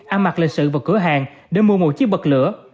ăn mặc lịch sự vào cửa hàng để mua một chiếc bật lửa